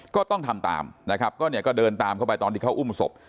ก็ต้องทำตามนะครับก็เนี่ยก็เดินตามเข้าไปตอนที่เขาอุ้มศพ